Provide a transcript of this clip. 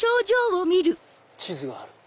地図がある。